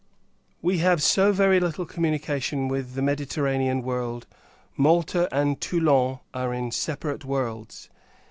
We have so very little communication with the Mediterranean world, Malta and Toulon are in separate worlds.